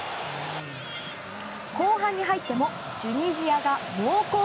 後半に入ってもチュニジアが猛攻。